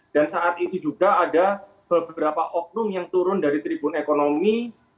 dan saat itu juga ada beberapa oknum yang turun dari tribun ekonomi